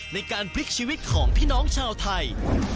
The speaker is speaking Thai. ในการพลิกชีวิตของพี่น้องชาวไทย